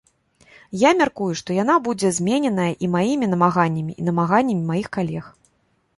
Я мяркую, што яна будзе змененая і маімі намаганнямі, і намаганнямі маіх калег.